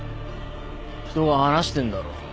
人が話してんだろ。